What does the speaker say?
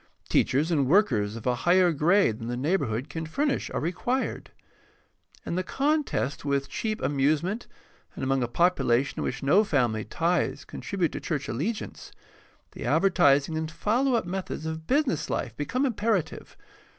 Teachers and workers of a higher grade than the neighborhood can furnish are required. In the contest with cheap amusement, and among a population in which no family ties contribute to church allegiance, the advertising and follow up methods of business life become imperative.